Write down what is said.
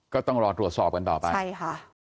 ก็ต้องรอตรวจสอบกันต่อไปใช่ค่ะ